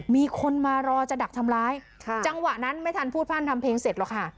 มีคนมารอจะดักทำร้ายจังหวะนั้นไม่ทันพูดพร่านทำเพลงเสร็จหรอกค่ะ